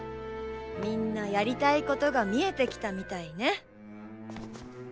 みんなやりたいことが見えてきたみたいね。